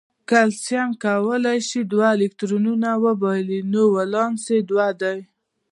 کلسیم کولای شي دوه الکترونونه وبایلي نو ولانس یې دوه دی.